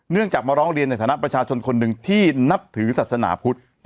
จากมาร้องเรียนในฐานะประชาชนคนหนึ่งที่นับถือศาสนาพุทธ